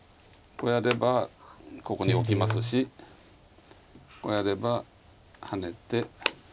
こうやればここにオキますしこうやればハネて。